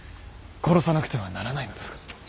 殺さなくてはならないのですか。